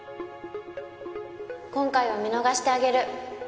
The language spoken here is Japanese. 今回は見逃してあげる。